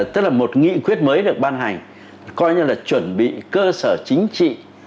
tức là một nghị quyết mới được ban hành coi như là chuẩn bị cơ sở chính trị